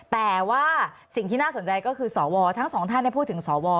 แต่ว่าสิ่งที่น่าสนใจก็คือสวทั้งสองท่านพูดถึงสว